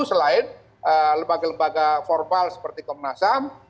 selain lembaga lembaga formal seperti komnas ham